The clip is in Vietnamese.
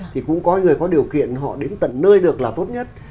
thì cũng có người có điều kiện họ đến tận nơi được là tốt nhất